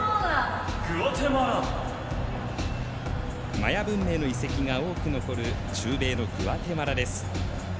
マヤ文明の遺跡が多く残る中米のグアテマラです。